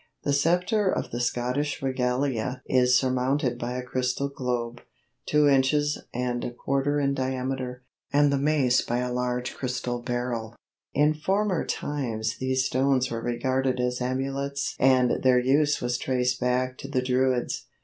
The sceptre of the Scottish regalia is surmounted by a crystal globe, two inches and a quarter in diameter, and the mace by a large crystal beryl. In former times these stones were regarded as amulets and their use was traced back to the Druids.